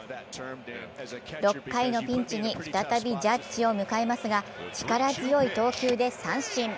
６回のピンチに再びジャッジを迎えますが力強い投球で三振。